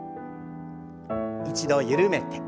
一度緩めて。